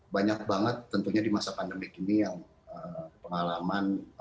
banyak banget tentunya di masa pandemi ini yang pengalaman